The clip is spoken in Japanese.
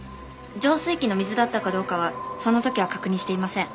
浄水器の水だったかどうかはそのときは確認していません。